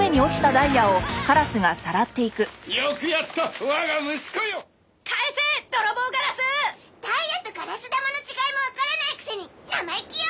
ダイヤとガラス玉の違いもわからないくせに生意気よ！